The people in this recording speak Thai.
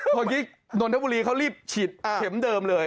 พอละหรือโดนโฮนทับอุตรีเค้ารีบฉีดเข็มเดิมเลย